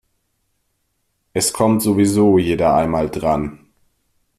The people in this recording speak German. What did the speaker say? Es kommt sowieso jeder einmal dran.